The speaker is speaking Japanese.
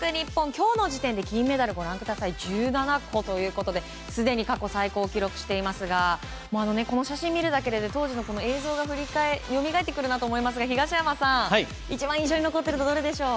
今日の時点で金メダル１７個ということですでに過去最高記録を更新していますがこの写真を見るだけで当時の映像がよみがってくるなと思いますが東山さん一番印象に残っているのはどれでしょう。